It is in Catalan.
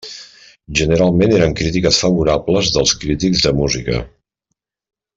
Generalment eren crítiques favorables dels crítics de música.